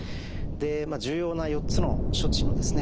重要な４つの処置のですね